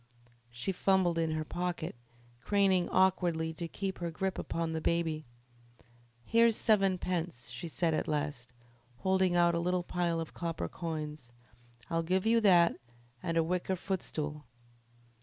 She fumbled in her pocket, craning awkwardly to keep her grip upon the baby. "Here's sevenpence," she said at last, holding out a little pile of copper coins. "I'll give you that and a wicker footstool."